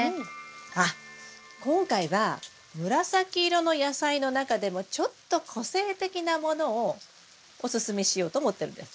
あっ今回は紫色の野菜の中でもちょっと個性的なものをおすすめしようと思ってるんです。